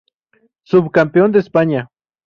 Subcampeón de España